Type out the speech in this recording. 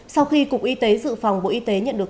sau khi cục y tế dự phòng bộ y tế nhận được